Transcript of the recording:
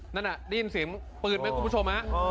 นั่นน่ะได้ยินเสียงปืนไหมคุณผู้ชมฮะ